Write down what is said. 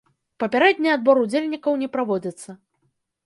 Папярэдні адбор удзельнікаў не праводзіцца.